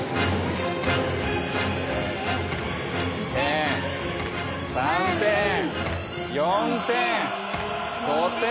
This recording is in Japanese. １点２点３点４点５点。